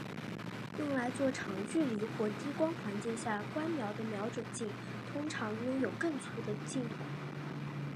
用来做长距离或低光环境下观瞄的瞄准镜通常拥有更粗的镜筒。